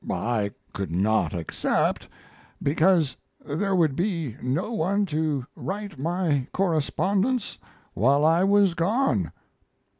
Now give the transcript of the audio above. I could not accept because there would be no one to write my correspondence while I was gone.